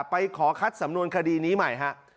ไปขอคัดสำนวนคดีนี้ใหม่ฮะ